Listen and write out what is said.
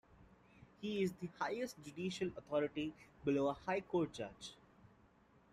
He is the highest judicial authority below a High Court judge.